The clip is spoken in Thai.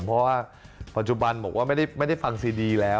เพราะว่าปัจจุบันบอกว่าไม่ได้ฟังซีดีแล้ว